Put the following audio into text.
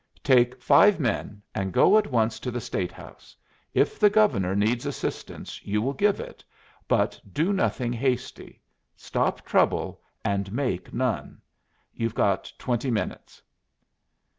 "Take five men and go at once to the State House. If the Governor needs assistance you will give it, but do nothing hasty. Stop trouble, and make none. You've got twenty minutes."